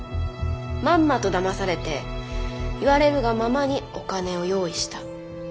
まんまとだまされて言われるがままにお金を用意した。